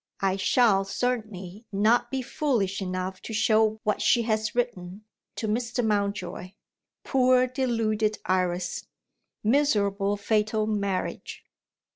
_ I shall certainly not be foolish enough to show what she has written to Mr. Mountjoy. Poor deluded Iris! Miserable fatal marriage!